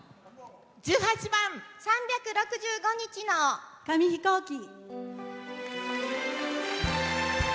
１８番「３６５日の紙飛行機」。